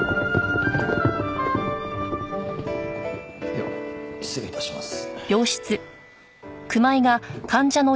では失礼致します。